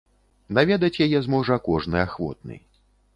Наведаць яе зможа кожны ахвотны.